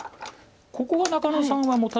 ここが中野さんはもたない。